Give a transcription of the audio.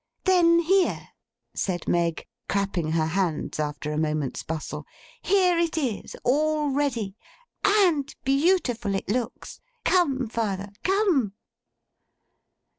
'Then here,' said Meg, clapping her hands, after a moment's bustle; 'here it is, all ready! And beautiful it looks! Come, father. Come!